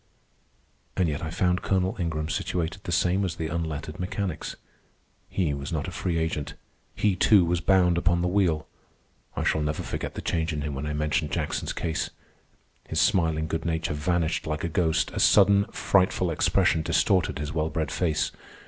And yet I found Colonel Ingram situated the same as the unlettered mechanics. He was not a free agent. He, too, was bound upon the wheel. I shall never forget the change in him when I mentioned Jackson's case. His smiling good nature vanished like a ghost. A sudden, frightful expression distorted his well bred face.